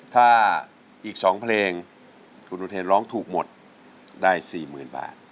ถ้าอีก๒เพลงคุณอุเทนร้องถูกหมดได้๔๐๐๐บาท